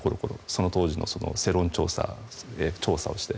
その当時の世論調査をして。